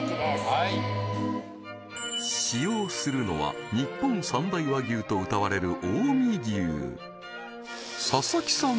はい使用するのは日本三大和牛とうたわれる近江牛佐々木さん